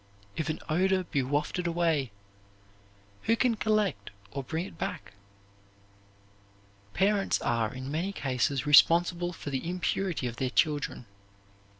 If an odor be wafted away, who can collect or bring it back? Parents are, in many cases, responsible for the impurity of their children.